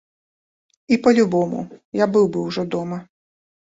І па-любому я быў бы ўжо дома.